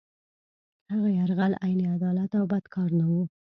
هغه یرغل عین عدالت او بد کار نه وو.